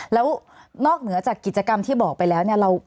แล้วนอกเหนือจากกิจกรรมที่บอกไปแล้วเนี่ย